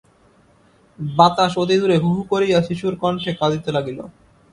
বাতাস অতি দূরে হূ হূ করিয়া শিশুর কণ্ঠে কাঁদিতে লাগিল।